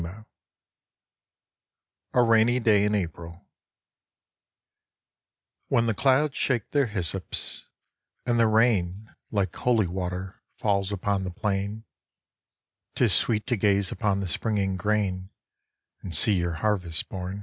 38 A RAINY DAY IN APRIL When the clouds shake their hyssops, and the rain Like holy water falls upon the plain, 'Tis sweet to gaze upon the springing grain And see your harvest born.